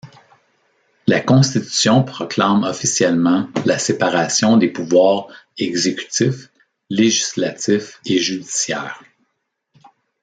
La constitution proclame officiellement la séparation des pouvoirs exécutif, législatif et judiciaire.